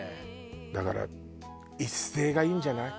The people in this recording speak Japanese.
だから一斉がいいんじゃない？